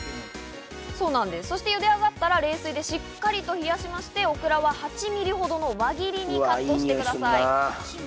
そして茹で上がったら冷水でしっかりと冷やしまして、オクラは８ミリほどの輪切りにカットしてください。